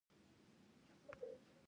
ایا زه باید تور بانجان وخورم؟